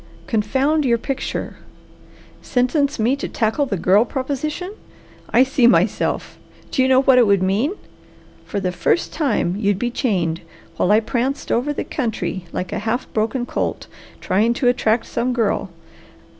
Confound your picture! Sentence me to tackle the girl proposition! I see myself! Do you know what it would mean? For the first thing you'd be chained, while I pranced over the country like a half broken colt, trying to attract some girl.